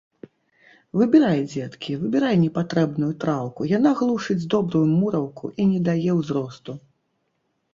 Выбірай, дзеткі, выбірай непатрэбную траўку, яна глушыць добрую мураўку і не дае ўзросту.